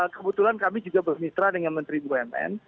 kebetulan kami juga bermitra dengan menteri bumn